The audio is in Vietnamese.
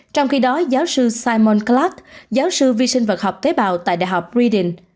trong khi đó giáo sư simon clark giáo sư vi sinh vật học tế bào tại đại học reading